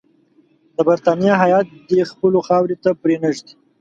د برټانیې هیات دي خپلو خاورې ته پرې نه ږدي.